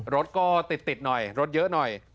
รถก็ติดหน่อยรถเยอะหน่อย